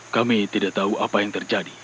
kami tidak tahu apa yang terjadi